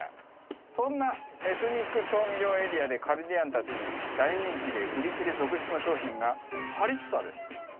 そんなエスニック調味料エリアでカルディアンたちに大人気で売り切れ続出の商品がハリッサです。